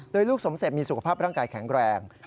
โดยลูกสมเสร็จมีสุขภาพร่างกายแข็งแรง